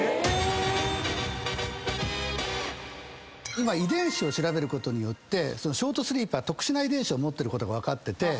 今遺伝子を調べることによってショートスリーパーは特殊な遺伝子を持ってることが分かってて。